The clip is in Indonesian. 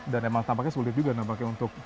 dan emang tampaknya sulit juga namanya untuk